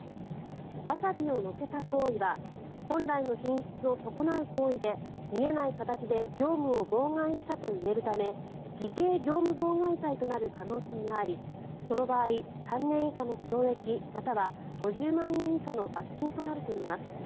ワサビを乗せた行為は本来の品質を損なう行為で見えない形で業務を妨害したといえるため偽計業務妨害罪となる可能性がありその場合、３年以下の懲役または５０万円以下の罰金となるといいます。